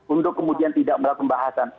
untuk kemudian tidak melakukan pembahasan